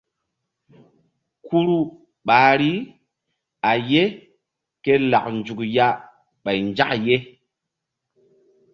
Kuru ɓahri a ye ke lak nzuk ya ɓay nzak ye.